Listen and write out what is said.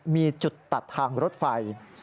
มีจุดตัดทางรถไฟ